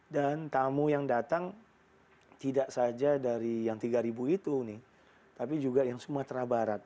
dan tamu yang datang tidak saja dari yang tiga ribu itu nih tapi juga yang sumatera barat